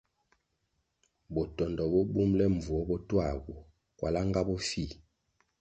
Botondo bo bumʼle mbvuo bo tuagu, kwalá nga bofih.